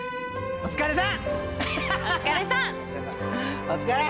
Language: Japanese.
お疲れさん。